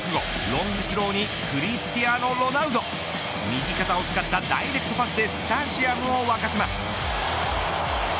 ロングスローにクリスティアーノ・ロナウド右肩を使ったダイレクトパスでスタジアムを沸かせます。